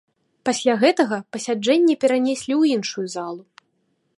Пасля гэтага пасяджэнне перанеслі ў іншую залу.